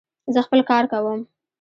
زه خپل کار کوم.